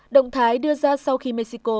động thái đưa ra sau khi mexico